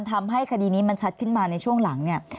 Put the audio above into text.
ทำให้คดีนี้มันชัดขึ้นมาในช่วงหลังเนี่ย